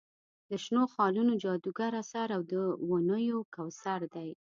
د شنو خالونو جادوګر اثر او د ونیو کوثر وي.